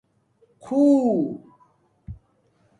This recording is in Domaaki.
خُݸہ